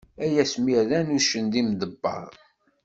Ay asmi rran uccen d imḍebber!